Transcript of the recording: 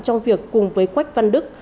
trong việc cùng với quách văn đức